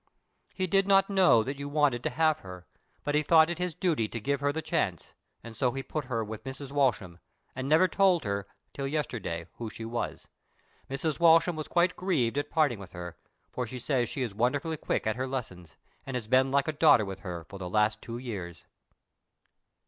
He did not know that you wanted to have her, but he thought it his duty to give her the chance, and so he put her with Mrs. Walsham, and never told her till yesterday who she was. Mrs. Walsham was quite grieved at parting with her, for she says she is wonderfully quick at her lessons, and has been like a daughter with her for the last two years."